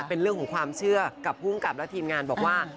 เป็นเรื่องของความเชื่อกับภูมิกับและทีมงานบอกว่า